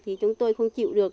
thì chúng tôi không chịu được